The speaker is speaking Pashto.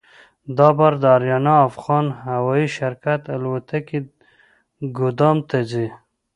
دا بار د اریانا افغان هوایي شرکت الوتکې ګودام ته ځي.